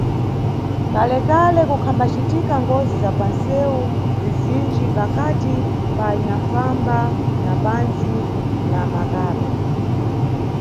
Kalekale kukhambacitika ngozi za panʼsewu zizinji pakati pa anyanʼfamba na pantsi na makaro.